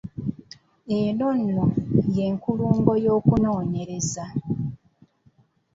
Eno nno y’enkulungo y’okunoonyereza.